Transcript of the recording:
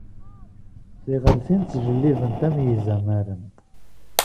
Tiɣaltin ttjellibent am yizamaren.